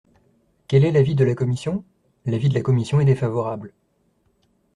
Quel est l’avis de la commission ? L’avis de la commission est défavorable.